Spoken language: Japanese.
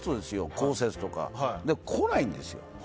こうせつとか。来ないんですよ。